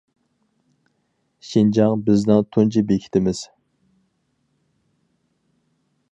شىنجاڭ بىزنىڭ تۇنجى بېكىتىمىز.